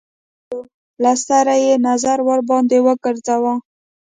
کار خلاص شو له سره يې نظر ورباندې وګرځوه.